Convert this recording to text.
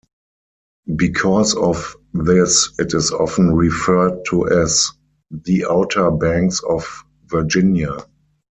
Because of this, it is often referred to as "The Outer Banks of Virginia".